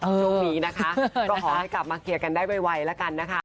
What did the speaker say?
ช่วงนี้นะคะก็ขอให้กลับมาเคลียร์กันได้ไวแล้วกันนะคะ